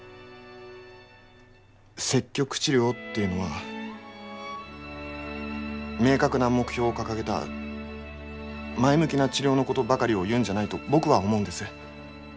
積極治療っていうのは明確な目標を掲げた前向きな治療のことばかりを言うんじゃないと僕は思うんです。